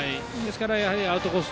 アウトコース